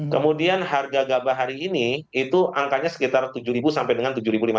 kemudian harga gabah hari ini itu angkanya sekitar tujuh sampai dengan rp tujuh lima ratus